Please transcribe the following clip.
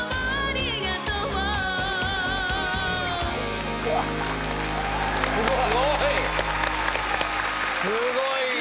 すごい！